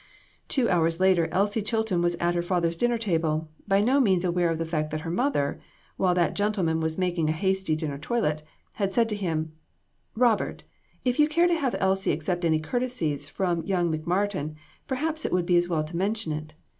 Two hours later Elsie Chilton was at her father's dinner table, by no means aware of the fact that her mother, while that gentleman was making a hasty dinner toilet, had said to him " Robert, if you care to have Elsie accept any courtesies from young McMartin, perhaps it would be as well to mention it.